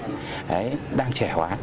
đấy đang trẻ hóa